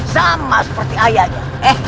sama seperti ayahnya